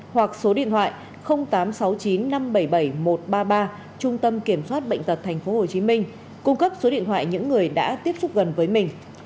hoặc số điện thoại tám trăm sáu mươi chín năm trăm bảy mươi bảy một trăm ba mươi ba trung tâm kiểm soát bệnh tật tp hcm cung cấp số điện thoại những người đã tiếp xúc gần với mình